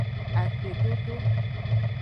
Akpedodo.